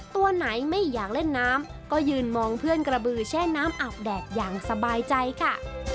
ตัวไหนไม่อยากเล่นน้ำก็ยืนมองเพื่อนกระบือแช่น้ำอาบแดดอย่างสบายใจค่ะ